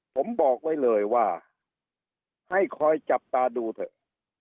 ผมบอกไว้เลยว่าให้คอยจับตาดูเถอะ